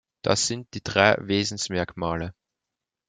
Das sind die drei Wesensmerkmale.